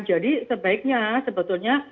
jadi sebaiknya sebetulnya